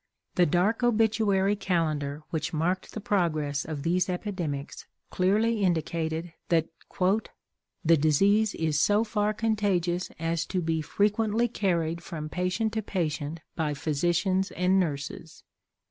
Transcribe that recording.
"The dark obituary calendar" which marked the progress of these epidemics clearly indicated that "the disease is so far contagious as to be frequently carried from patient to patient by physicians and nurses."